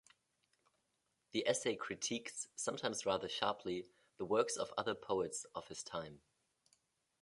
The essay critiques, sometimes rather sharply, the works of other poets of his time.